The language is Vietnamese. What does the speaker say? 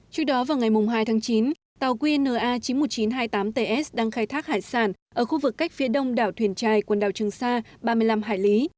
trước đó vào ngày hai tháng chín tàu qna chín mươi một nghìn chín trăm hai mươi tám ts đang khai thác hải sản ở khu vực cách phía đông đảo thuyền trài quần đảo trường sa ba mươi năm hải lý